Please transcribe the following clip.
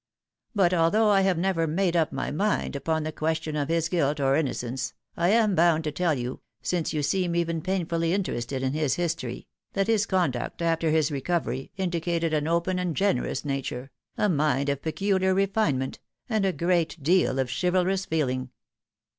But although I have never made up my mind upon the question of his guilt or innocence, I am bound to tell you, since you seem even painfully interested in his history, that his conduct after his recovery indicated an open and generous nature, a mind of peculiar refinement, and a great deal of chivalrous feeling.